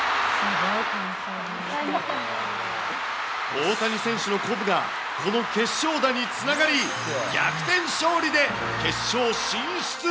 大谷選手の鼓舞が、この決勝打につながり、逆転勝利で決勝進出。